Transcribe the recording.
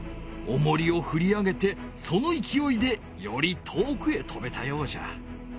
おもりをふり上げてそのいきおいでより遠くへとべたようじゃ。